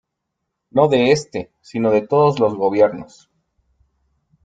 No de este, sino de todos los gobiernos.